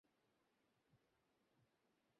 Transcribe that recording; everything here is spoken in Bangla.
ঐ রুটিগুলোর নাম পেনেটন।